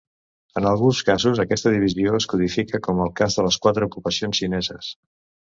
En alguns casos aquesta divisió es codifica, com el cas de les quatre ocupacions xineses.